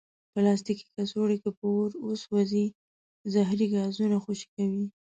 پلاستيکي کڅوړې که په اور وسوځي، زهري ګازونه خوشې کوي.